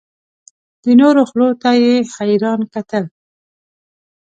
د نورو خولو ته یې حیران کتل.